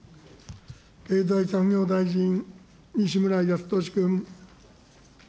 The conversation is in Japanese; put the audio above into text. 経済産業大臣、西村康稔君。